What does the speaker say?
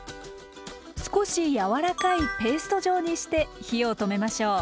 少し柔らかいペースト状にして火を止めましょう。